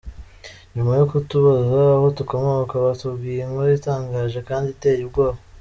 Nyuma yo kutubaza aho dukomoka batubwiye inkuru itangaje kandi iteye ubwoba.